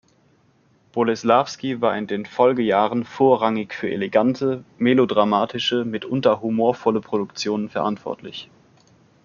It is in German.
Boleslawski war in den Folgejahren vorrangig für elegante, melodramatische, mitunter humorvolle Produktionen verantwortlich.